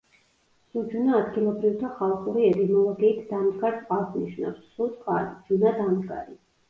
სუჯუნა ადგილობრივთა ხალხური ეტიმოლოგიით დამდგარ წყალს ნიშნავს: სუ–წყალი, ჯუნა–დამდგარი.